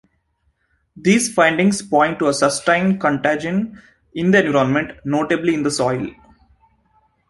These findings point to a sustained contagion in the environment, notably in the soil.